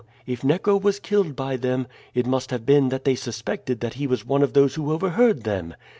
If Neco was killed by them, it must have been that they suspected that he was one of those who overheard them.